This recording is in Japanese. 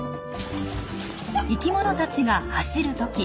生きものたちが走る時